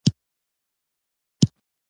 چې واده وکړي.